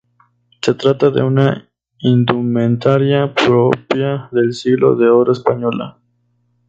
Se trata de una indumentaria propia del siglo de oro español.